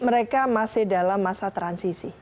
mereka masih dalam masa transisi